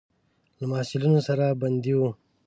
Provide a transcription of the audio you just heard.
له محصلینو سره بندي وو.